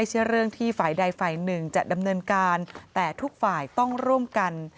ส่วนให้พวกฝ่ายต้องร่วมกัน